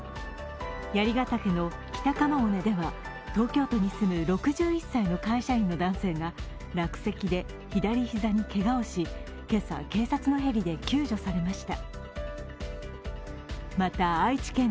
槍ヶ岳の北鎌尾根では東京都に住む６１歳の会社員の男性が落石で左ひざにけがをし、ヘリで救助されました。